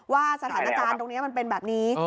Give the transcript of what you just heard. ว่าสถานการณ์ตรงนี้มันเป็นแบบนี้